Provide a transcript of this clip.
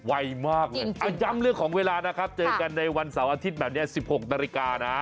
ไวมากเลยย้ำเรื่องของเวลานะครับเจอกันในวันเสาร์อาทิตย์แบบนี้๑๖นาฬิกานะ